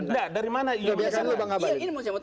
biasa dulu bang abadi